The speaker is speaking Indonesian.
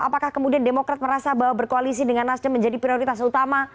apakah kemudian demokrat merasa bahwa berkoalisi dengan nasdem menjadi prioritas utama